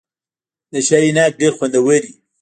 د شاهي ناک ډیر خوندور وي.